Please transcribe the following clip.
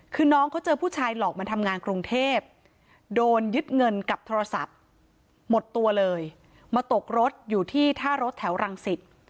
คือน้องเขาเจอผู้ชายหลอกมาทำงานกรุงเทพโดนยึดเงินกับโทรศัพท์หมดตัวเลยมาตกรถอยู่ที่ท่ารถแถวรังสิต